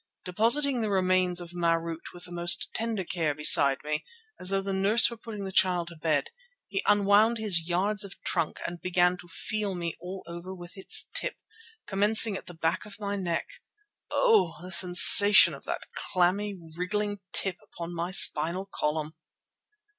Depositing the remains of Marût with the most tender care beside me, as though the nurse were putting the child to bed, he unwound his yards of trunk and began to feel me all over with its tip, commencing at the back of my neck. Oh! the sensation of that clammy, wriggling tip upon my spinal column!